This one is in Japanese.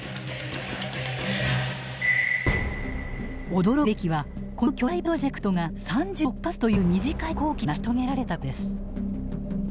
驚くべきはこの巨大プロジェクトが３６か月という短い工期で成し遂げられたことです。